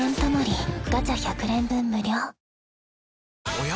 おや？